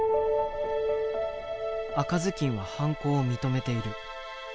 赤ずきんは犯行を認めている。